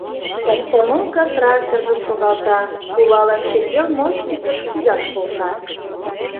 Комсомолка тракторжым шогалта, кувалан шеҥгел мостикыш кӱзаш полша.